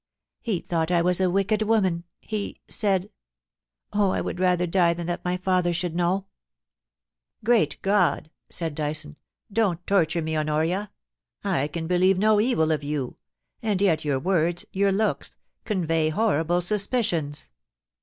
He thought I was a wicked woman — he — said Oh, I would die rather than that my father should know ...'' Great God !' said Dyson. ' Don't torture me, Honoria. ... I can believe no evil of you — and yet your words, your looks, convey horrible suspicions.